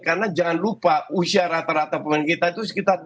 karena jangan lupa usia rata rata pemain kita itu sekitar dua puluh